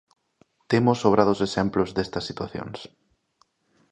Temos sobrados exemplos destas situacións.